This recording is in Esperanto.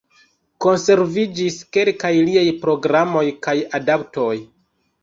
Konserviĝis kelkaj liaj programoj kaj adaptoj.